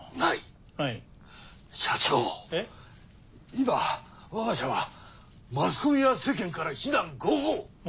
今我が社はマスコミや世間から非難ごうごう。